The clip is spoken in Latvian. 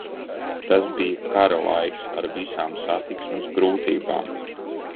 Tas bija kara laiks, ar visām satiksmes grūtībām.